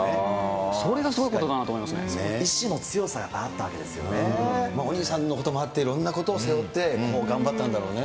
それがすごいことだなと思いまし意志の強さがやっぱりあったお兄さんのこともあって、いろんなことを背負って頑張ったんだろうね。